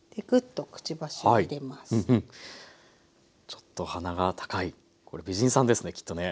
ちょっと鼻が高いこれ美人さんですねきっとね。